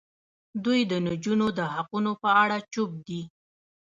دوی د نجونو د حقونو په اړه چوپ دي.